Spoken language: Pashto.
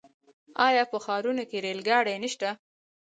آیا په ښارونو کې ریل ګاډي نشته؟